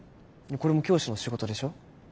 これも教師の仕事でしょ。